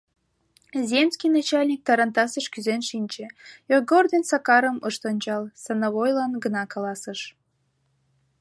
Земский начальник тарантасыш кӱзен шинче, Йогор ден Сакарым ышат ончал, становойлан гына каласыш: